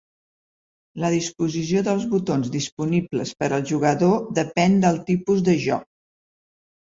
La disposició dels botons disponibles per al jugador depèn del tipus de joc.